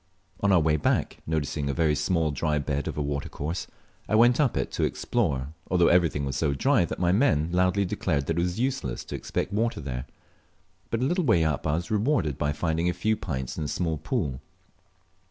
On our way back, noticing a very small dry bed of a watercourse, I went up it to explore, although everything was so dry that my men loudly declared it was useless to expect water there; but a little way up I was rewarded by finding a few pints in a small pool.